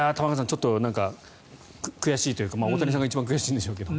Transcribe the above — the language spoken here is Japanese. ちょっと悔しいというか大谷さんが一番悔しいんでしょうけど。